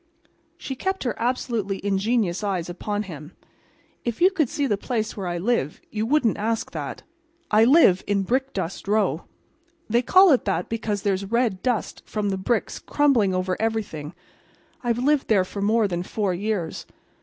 She kept her absolutely ingenuous eyes upon his. "If you could see the place where I live you wouldn't ask that. I live in Brickdust Row. They call it that because there's red dust from the bricks crumbling over everything. I've lived there for more than four years.